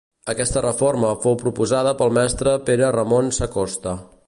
Aquesta reforma fou proposada pel mestre Pere Ramon Sacosta.